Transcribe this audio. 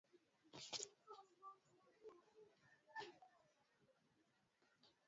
na Saudi Arabia yenye nguvu katika upande madhehebu ya wasunni